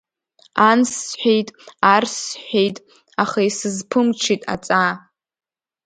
Анс сҳәеит, арс сҳәеит, аха исызԥымҽит аҵаа.